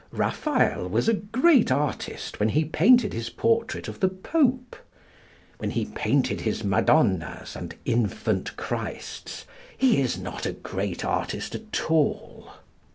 Raphael was a great artist when he painted his portrait of the Pope. When he painted his Madonnas and infant Christs, he is not a great artist at all.